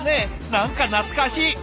何か懐かしい。